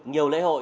nhiều lễ hội